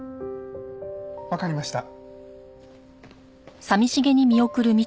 わかりました。